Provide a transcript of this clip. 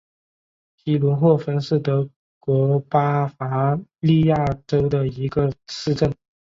皮伦霍芬是德国巴伐利亚州的一个市镇。